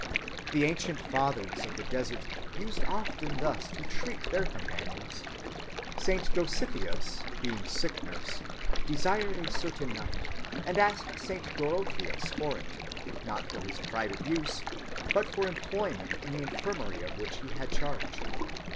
The ancient fathers of the desert used often thus to treat their companions.... Saint Dositheus, being sick‐nurse, desired a certain knife, and asked Saint Dorotheus for it, not for his private use, but for employment in the infirmary of which he had charge.